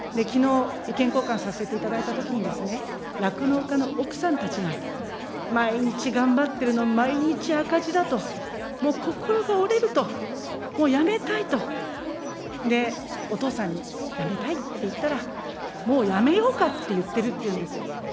きのう、意見交換させていただいたときに、酪農家の奥さんたちが毎日頑張ってるの、毎日赤字だと、もう心が折れると、もう辞めたいと、で、お父さんに、辞めたいって言ったら、もうやめようかって言ってるって言うんですよ。